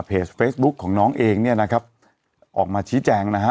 เฟซบุ๊คของน้องเองเนี่ยนะครับออกมาชี้แจงนะฮะ